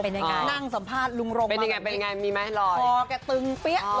เป็นยังไงนั่งสัมภาษณ์ลุงรงเป็นยังไงเป็นยังไงมีไหมรอคอแกตึงเปี้ย